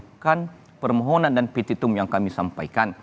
dan saya ingin mengambilkan permohonan dan petitum yang kami sampaikan